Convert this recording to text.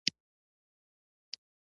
خوړل د ژوندانه روان ساتنه ده